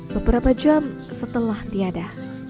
beberapa jam setelah tiada